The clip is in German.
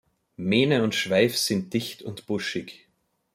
Mähne und Schweif sind dicht und buschig.